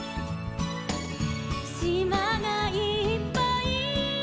「しまがいっぱい」